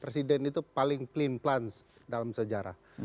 presiden itu paling plain plans dalam sejarah